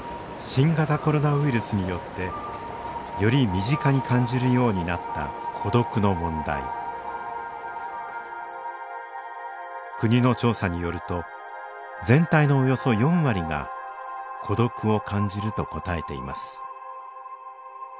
新型コロナウイルスによってより身近に感じるようになった孤独の問題国の調査によると全体のおよそ４割が孤独を感じると答えています